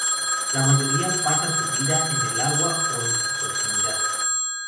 La mayoría pasa su vida en el agua o en su proximidad.